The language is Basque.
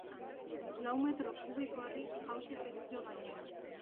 Lau metro kubiko harri jausi zaizkio gainera.